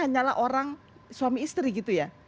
hanyalah orang suami istri gitu ya